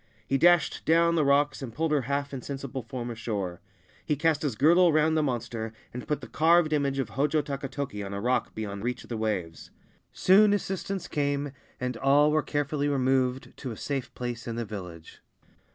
He dashed down the rocks, and pulled her half insensible form ashore. He cast his girdle round the monster, and put the carved image of Hojo Takatoki on a rock beyond reach of the waves. Soon assistance came, and all were carefully removed to a safe place in the village.